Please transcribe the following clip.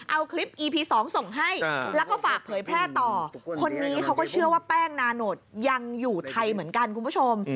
เอาคลิปอีพีสองส่งให้แล้วก็ฝากเผยแพร่ต่อคนนี้เขาก็เชื่อว่าแป้งนาโนตยังอยู่ไทยเหมือนกันคุณผู้ชม